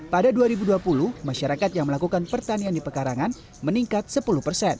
pada dua ribu dua puluh masyarakat yang melakukan pertanian di pekarangan meningkat sepuluh persen